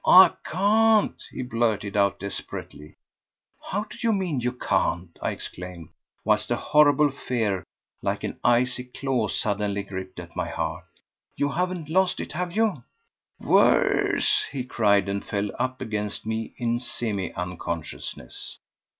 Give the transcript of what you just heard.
"I can't," he blurted out desperately. "How do you mean, you can't?" I exclaimed, whilst a horrible fear like an icy claw suddenly gripped at my heart. "You haven't lost it, have you?" "Worse!" he cried, and fell up against me in semi unconsciousness.